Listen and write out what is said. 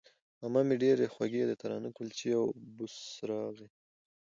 عمه مې ډېرې خوږې د تناره کلچې او بوسراغې